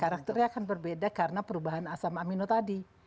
karakternya akan berbeda karena perubahan asam amino tadi